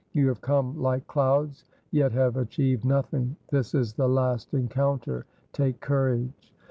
You have come like clouds, yet have achieved nothing. This is the last encounter. Take courage.'